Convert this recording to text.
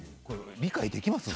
理解できません。